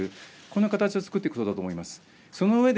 こんな形をつくっていくことだと思います。